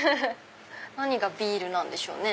何がビールなんでしょうね。